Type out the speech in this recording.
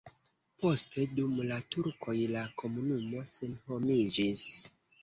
Poste dum la turkoj la komunumo senhomiĝis.